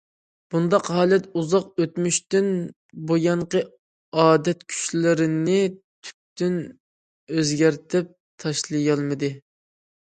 بۇنداق ھالەت ئۇزاق ئۆتمۈشتىن بۇيانقى ئادەت كۈچلىرىنى تۈپتىن ئۆزگەرتىپ تاشلىيالمىدى.